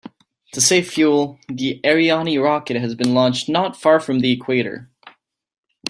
To save fuel, the Ariane rocket has been launched not far from the equator.